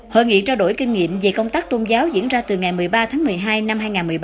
hội nghị trao đổi kinh nghiệm về công tác tôn giáo diễn ra từ ngày một mươi ba tháng một mươi hai năm hai nghìn một mươi ba